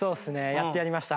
やってやりました。